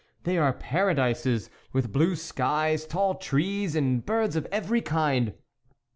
They are paradises, with blue skies, tall trees and birds of every kind.